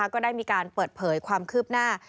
ก็ได้มีการเปิดเผยความคืบหน้า